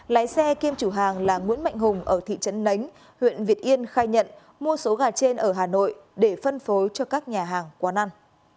lái xe kiêm chủ hàng là nguyễn mạnh hùng ở thị trấn nánh huyện việt yên khai nhận mua số gà trên ở hà nội để phân phối cho các nhà hàng quán ăn